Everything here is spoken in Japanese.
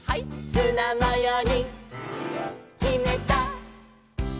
「ツナマヨにきめた！」